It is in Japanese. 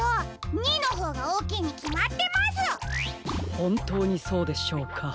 ほんとうにそうでしょうか？